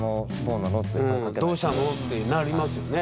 「どうしたの？」ってなりますよね。